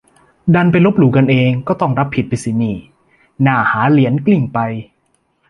ดันไปลบหลู่กันเอง ก็ต้องรับผิดไปสินี่ น่าหาเหรียญกลิ้งไป